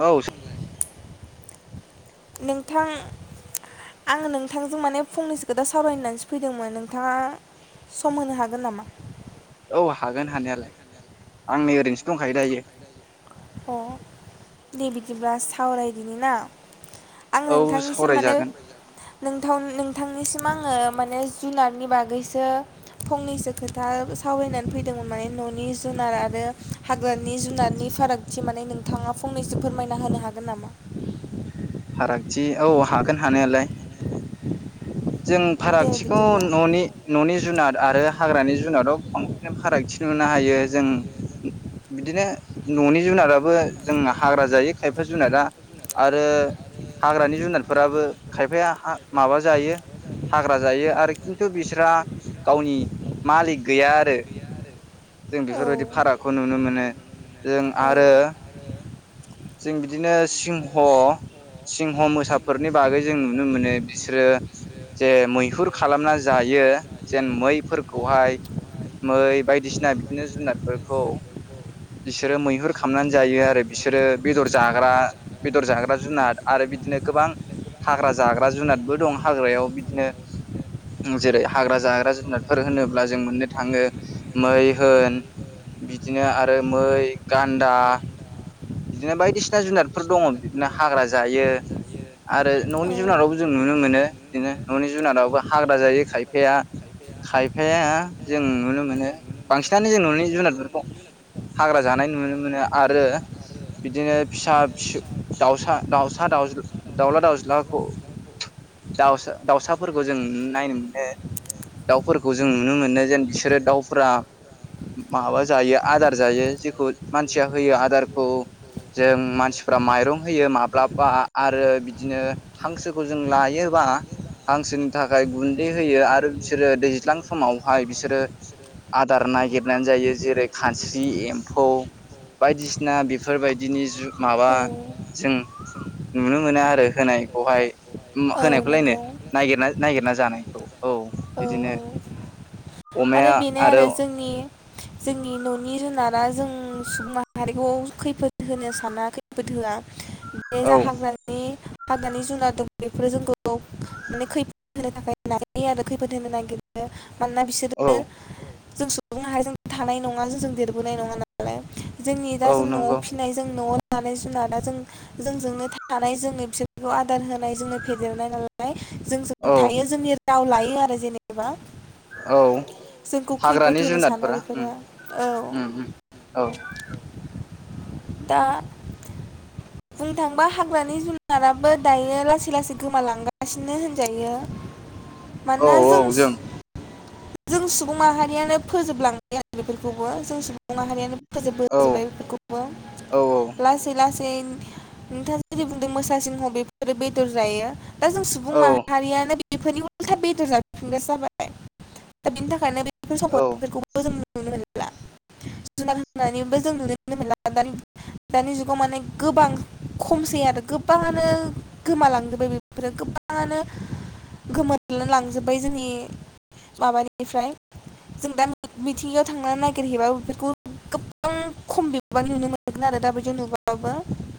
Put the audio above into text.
औ। नोंथां आं नोंथांजों माने फंनैसो खोथा सावरायनानैसो फैदोंमोन नोंथाङा सम होनो हागोन नामा। औ हागोन हानायालाय आंनि ओरैनोसो दंखायो दायो। अ दे बिदिब्ला सावरायदिनि ना। आं औ नोंथांनिसिम माने सावरायजागोन। नोंथां नोंथांनिसिम आङो माने जुनारनि बागैसो फंनैसो खोथा सावरायनानै फैदोंमोन माने न। नि जुनार आरो। हाग्रानि जुनारनि फाराग। माने नोंथाङा फंनैसो फोरमायना होनो हागोन नामा। फारागथि औ हागोन हानायालाय। जों दे फारागथिखौ बिदिब्ला न'नि न'नि जुनाद आरो हाग्रानि जुनादाव गोबां बि हारागथि मोननो हायो जों बिदिनो न'नि जुनाराबो जों हाग्रा जायो खायफा जुनादा आरो हाग्रानि जुनारफोराबो खायफाया माबा जायो हाग्रा जायो आरो खिन्थु बिस्रा गावनि मालिक गैया आरो जों औ बेफोरबायदि फारागखौ नुनो मोनो जों औ आरो जों बिदिनो सिंह सिंह मोसाफोरनि बागै जों नुनो मोनो बिसोरो जे मैहुर खालामनानै जायो जेन मैफोरखौहाय मै बायदिसिना बिदिनो जुनादफोरखौ बिसोरो मैहुर खालामनानै जायो आरो बिसोरो बेदर जाग्रा बेदर जाग्रा जुनाद आरो बिदिनो गोबां हाग्रा जाग्रा जुनादबो दं। हाग्रायाव बिदिनो जेरै हाग्रा जाग्रा जुनारफोर होनोब्ला जों मोननो थाङो मै होन बिदिनो आरो मै गान्दा बिदिनो बायदिसिना जुनादफोर दङ। बिदिनो हाग्रा जायो आरो न'नि औ जुनारावबो जों नुनो मोनो बिदिनो न'नि जुनारावबो हाग्रा जायो खायफाया खायफाया जों नुनो मोनो बांसिनानो जों न'नि जुनारफोरखौ हाग्रा जानाय नुनो मोनो। आरो बिदिनो फिसा फिसौ दाउसा दाउसा दाउज्ला दाउला दाउज्लाखौ दाउसा दाउसाफोरखौ जों नायनो मोनो दाउफोरखौ जों नुनो मोनो जेन बिसोरो दाउफोरा माबा जायो आदार जायो जेखौ मानसिया होयो आदार खौ जों मानसिफ माइरं होयो माब्लाबा आरो बिदिनो हांसोखौ जों लायोबा हांसोनि थाखाय गुन्दै होयो आरो बिसोरो दैज्लां समावहाय बिसोरो आदार नागिरनानै जायो जेरै खानस्रि एम्फौ बायदिसिना बेफोरबायदिनि माबा औ जों नुनो मोनो आरो होनायखौहाय। औ होनायखौलायनो नंगौ नागिरना नायगिरना जानायखौ औ बिदिनो। आरो बेनो आरो जोंनि जोंनि न'नि जुनारा जों सुबुं माहारिखौ खैफोद होनो साना खैफोद होआ बे औ जा हाग्रानि हाग्रानि जुनार [inaudible] खैफोद होनो नागिरो मानोना [unintelligible] औ जों सुबुं माहारिजों थानाय नङा जों जों देरबोनाय नङा नालाय जोंनि दा जों औ न'आव नंगौ फिसिनाय जों न'आव थानायानाय जुनारा जों जोंजोंनो थानाय जोंनो बिसोरखौ आदार होनाय जोंनो फेदेरनाय नालाय जों जों औ थायो जोंनि राव लायो आरो जेनेबा औ जोंखौ खैफोद हाग्रानि होनो साना जुनारफोरा उम बेफोरो औ उम औ। दा बुंनो थाङोबा हाग्रानि जुनाराबो दायो लासै लासै गोमालांगासिनो होनजायो। औ मानोना जों औ जों सुबुं माहारियानो फोजोबलांबाय आरो बेफोरखौबो जों सुबुं माहारियानो औ फोजोबबोजोबबाय बेफोरखौबो। औ लासै ला लासै नोंथाङा जुदि बुंदों मोसा सिंह बेफोरो बेदर जायो। दा जों सुबुं औ माहारियानो बेफोरनि उलथा बेदर जाफफिनग्रासो जाबाय दा बेनि थाखाय औ [unintelligible] जुनार होननानैबो जों नुनोनो मोनला दानि जुगाव माने गोबां खमसै आरो गोबाङानो गोमालांजोब्बाय बेफोरो गोबाङानो गोमोर लांजोब्बाय जोंनि माबानिफ्राय जों दा मिथिंगायाव थांनानै नागिरहैबाबो बेफोरखौ गोबां खम बिबांनि नुनो मोनगोन आरो दा बेदि नुबाबो